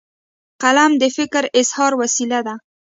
قلم د فکر اظهار وسیله ده.